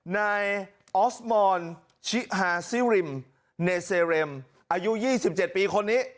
นายออสมอนชิฮาซิริมเนเซเรมอายุ๒๗ปีคนนี้